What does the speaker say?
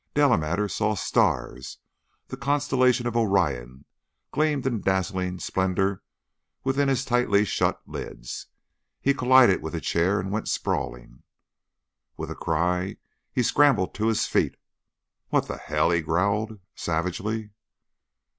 Delamater saw stars. The constellation of Orion gleamed in dazzling splendor within his tightly shut lids; he collided with a chair and went sprawling. With a cry he scrambled to his feet. "What the hell ?" he growled, savagely.